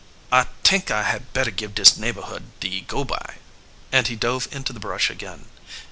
"I t'ink I had better give dis neighborhood de go by," and he dove into the brush again.